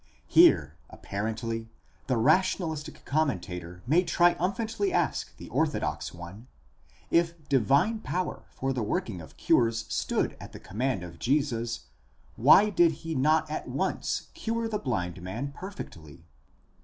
Here apparently the rationalistic commentator may triumphantly ask the orthodox one; if divine power for the working of cures stood at the command of Jesus, why did he not at once cure the blind man perfectly?